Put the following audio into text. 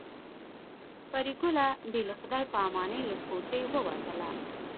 پري ګله بې له خدای په امانۍ له کوټې ووتله